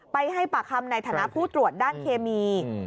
ให้ปากคำในฐานะผู้ตรวจด้านเคมี